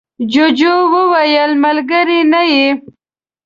جوجو وویل ملگری نه یې.